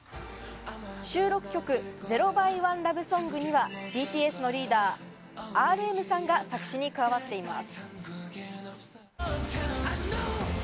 収録曲『０Ｘ１＝ＬＯＶＥＳＯＮＧ』にはＢＴＳのリーダー・ＲＭさんが作詞に関わっています。